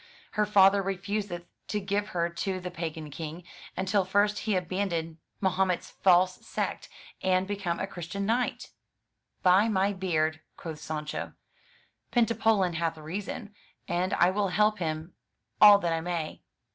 Her father refuseth to give her to the pagan King, until first he abandon Mahomet's false sect, and become a Christian Knight/' "By my beard," quoth Sancho, "Pentapolin hath reason, and I will help him all that I may."